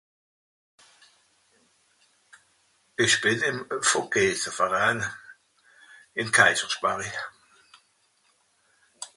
ìsch bìn ìm à Vògese Verain ìn Kaysersbari